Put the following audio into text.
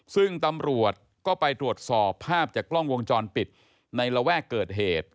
ซึ่งตำรวจก็ไปตรวจสอบภาพจากกล้องวงจรปิดในระแวกเกิดเหตุ